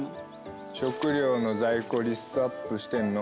食料の在庫リストアップしてんの。